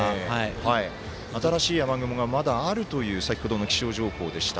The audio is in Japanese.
新しい雨雲がまだあるという先ほどの気象情報でした。